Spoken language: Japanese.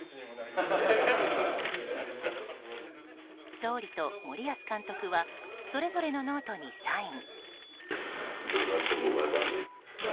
総理と森保監督はそれぞれのノートにサイン。